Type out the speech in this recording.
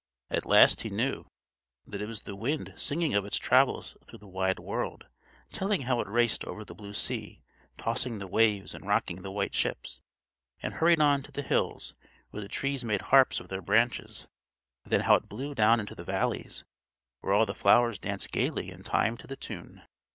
At last he knew that it was the wind singing of its travels through the wide world; telling how it raced over the blue sea, tossing the waves and rocking the white ships, and hurried on to the hills, where the trees made harps of their branches, and then how it blew down into the valleys, where all the flowers danced gayly in time to the tune.